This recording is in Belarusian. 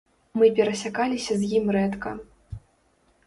Мы перасякаліся з ім рэдка.